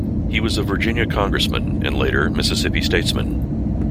He was a Virginia congressman, and later Mississippi statesman.